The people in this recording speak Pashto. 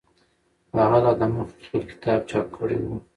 هغه لا دمخه خپل کتاب چاپ کړی و.